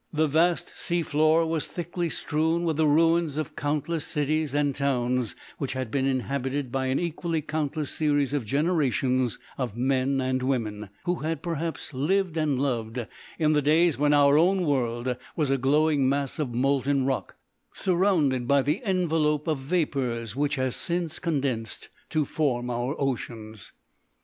The vast sea floor was thickly strewn with the ruins of countless cities and towns, which had been inhabited by an equally countless series of generations of men and women, who had perhaps lived and loved in the days when our own world was a glowing mass of molten rock, surrounded by the envelope of vapours which has since condensed to form our oceans.